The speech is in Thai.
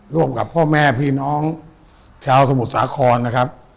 ร่วมกับพ่อแม่พี่น้องชาวสมุทรสาครนะครับ